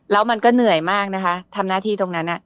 แล้วมันก็เหนื่อยมากนะคะทำหน้าที่ตรงนั้น